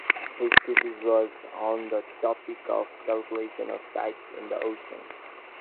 His thesis was on the topic of "Calculation of Tides in the Ocean".